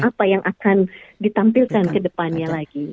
apa yang akan ditampilkan ke depannya lagi